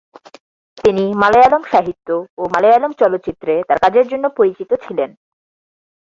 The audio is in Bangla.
তিনি মালয়ালম সাহিত্য ও মালয়ালম চলচ্চিত্রে তার কাজের জন্য পরিচিত ছিলেন।